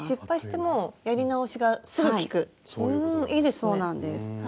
そうなんです。